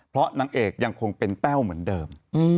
เพราะนางเอกยังคงเป็นแต้วเหมือนเดิม